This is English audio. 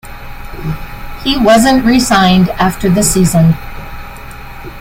He wasn't re-signed after the season.